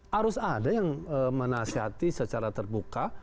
harus ada yang menasihati secara terbuka